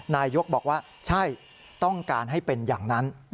นายกบอกว่าใช่ต้องการให้เป็นอย่างนั้น